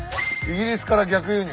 「イギリスから逆輸入！